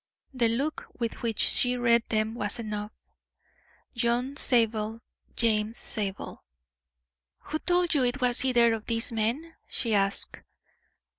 The look with which she read them was enough. John Zabel, James Zabel. "Who told you it was either of these men?" she asked.